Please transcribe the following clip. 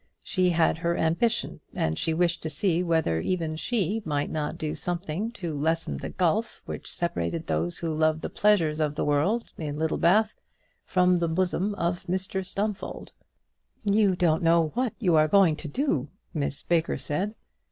She had her ambition, and she wished to see whether even she might not do something to lessen the gulf which separated those who loved the pleasures of the world in Littlebath from the bosom of Mr Stumfold. "You don't know what you are going to do," Miss Baker said.